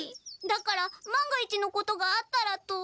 だから万が一のことがあったらと。